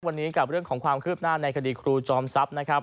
วันนี้กับเรื่องของความคืบหน้าในคดีครูจอมทรัพย์นะครับ